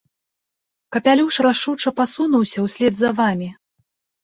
Капялюш рашуча пасунуўся ўслед за вамі.